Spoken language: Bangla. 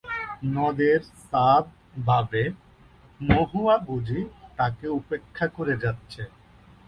নদের চাঁদ ভাবে মহুয়া বুঝি তাকে উপেক্ষা করে যাচ্ছে।